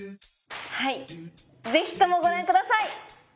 はいぜひともご覧ください。